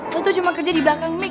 lo tuh cuma kerja di belakang mic